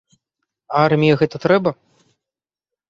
А арміі гэта трэба?